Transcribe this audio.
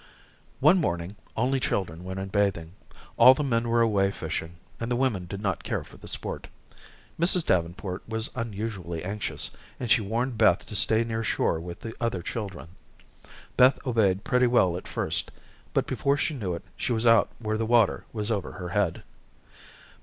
One morning only children went in bathing. All the men were away fishing, and the women did not care for the sport. Mrs. Davenport was unusually anxious, and she warned Beth to stay near shore with the other children. Beth obeyed pretty well at first, but before she knew it she was out where the water was over her head.